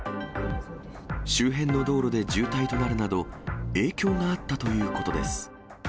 周辺の道路で渋滞となるなど、影響があったということです。